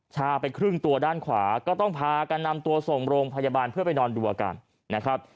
ชาผลที่ครึ่งตัวด้านขวาต้องพากันนำตัวส่งโรงพยาบาลเห้อไปนอนรั่ง